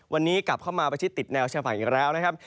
วันนี้กลับเข้ามาประชิดติดแนวชายฝั่งอีกแล้วนะครับ